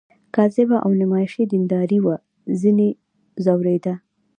کاذبه او نمایشي دینداري وه ځنې ځورېده.